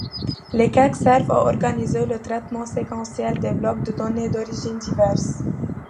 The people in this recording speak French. Les queues servent à organiser le traitement séquentiel des blocs de données d'origines diverses.